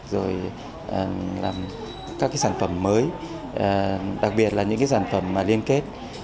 rồi làm các cái sản phẩm mới đặc biệt là những cái sản phẩm mà liên kết